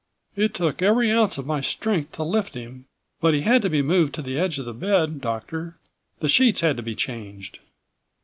"It took every ounce of my strength to lift him. But he had to be moved to the edge of the bed, doctor. The sheets had to be changed."